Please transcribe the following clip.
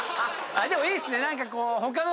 でもいいっすね。